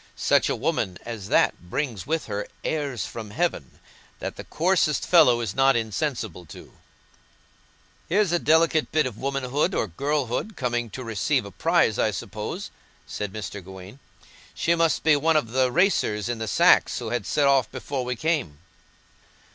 Such a woman as that brings with her 'airs from heaven' that the coarsest fellow is not insensible to." "Here's a delicate bit of womanhood, or girlhood, coming to receive a prize, I suppose," said Mr. Gawaine. "She must be one of the racers in the sacks, who had set off before we came."